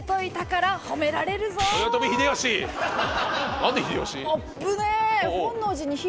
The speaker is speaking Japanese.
何で秀吉？